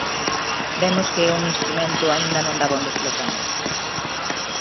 Vemos que é un instrumento aínda non dabondo explotado.